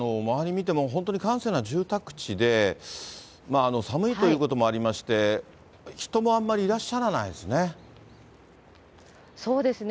見ても本当に閑静な住宅地で、寒いということもありまして、人もあんまりいらっしゃらないですね。